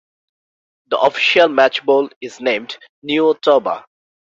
The official match ball is named Neo Toba.